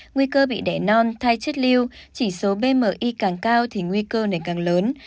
nguy cơ bị đẻ non thai chất lưu chỉ số bmi càng cao thì nguy cơ này càng lớn